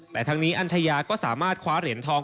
แต่ทั้งนี้อัญชยาก็สามารถคว้าเหรียญทอง